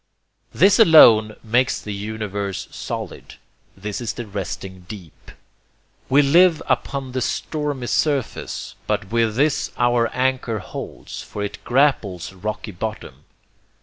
This alone makes the universe solid. This is the resting deep. We live upon the stormy surface; but with this our anchor holds, for it grapples rocky bottom.